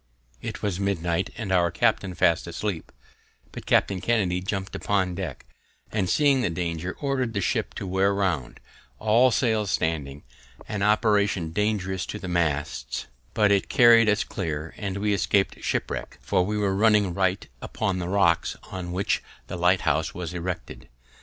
It was midnight, and our captain fast asleep; but Captain Kennedy, jumping upon deck, and seeing the danger, ordered the ship to wear round, all sails standing; an operation dangerous to the masts, but it carried us clear, and we escaped shipwreck, for we were running right upon the rocks on which the lighthouse was erected.